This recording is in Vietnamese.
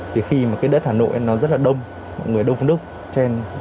thì khi mà đất hà nội nó rất là đông mọi người đông lúc trên